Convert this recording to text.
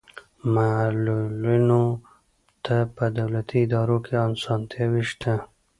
معلولینو ته په دولتي ادارو کې اسانتیاوې شته.